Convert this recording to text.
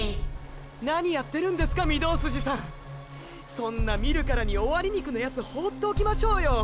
そんな見るからに「終了筋肉」のヤツ放っておきましょうよ。